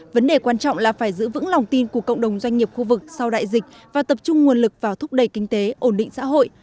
vấn đề quan trọng là phải giữ vững lòng tin của cộng đồng doanh nghiệp khu vực sau đại dịch và tập trung nguồn lực vào thúc đẩy kinh tế ổn định xã hội